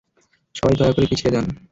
সবাই দয়া করে পিছিয়ে যান!